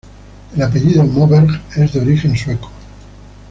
El apellido "Moberg" es de origen sueco.